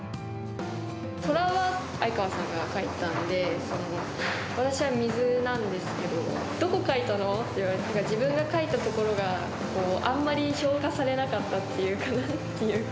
虎は、相川さんが描いたんで、私は水なんですけど、どこ描いたの？って言われて、自分が描いたところが、あんまり評価されなかったっていうか、なんていうか。